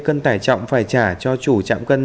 cân tải trọng phải trả cho chủ trạm cân